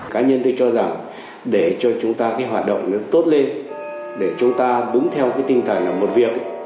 cá nhân tôi cho rằng để cho chúng ta cái hoạt động nó tốt lên để chúng ta đúng theo cái tinh thần là một việc